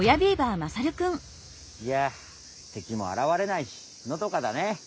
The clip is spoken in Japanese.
いや敵もあらわれないしのどかだね。